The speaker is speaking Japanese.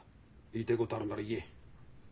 言いたいことあるなら言え。